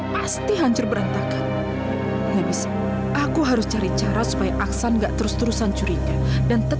masa bapak nggak lihat sih bapak lewat sini